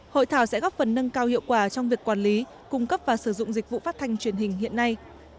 hội thảo sẽ góp phần nâng cao hiệu quả trong việc quản lý cung cấp và sử dụng dịch vụ phát thanh truyền hình hiện nay